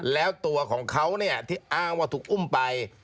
แล้วตัวของเขาเนี่ยที่อ้างว่าถูกอุ้มไป